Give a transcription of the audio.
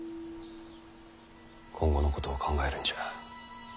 今後のことを考えるんじゃ。